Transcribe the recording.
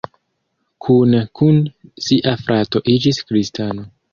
Kune kun sia frato iĝis kristano.